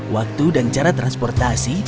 waktu dan cara transportasi